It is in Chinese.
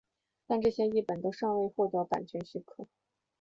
但这些译本都未获版权许可。